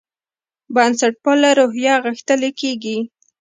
بنسټپاله روحیه غښتلې کېږي.